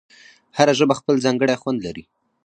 هره ژبه خپل ځانګړی خوند لري.